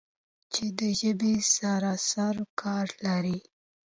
چې د ژبې سره سرو کار لری